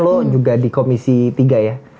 lalu juga di komisi tiga ya